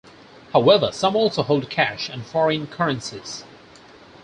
However, some also hold cash and foreign currencies.